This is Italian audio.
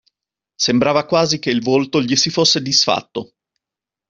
Sembrava quasi che il volto gli si fosse disfatto.